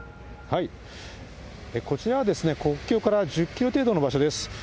こちらは、国境から１０キロ程度の場所です。